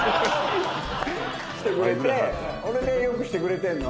それでよくしてくれてんの。